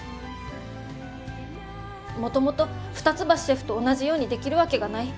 もともと二ツ橋シェフと同じようにできるわけがない。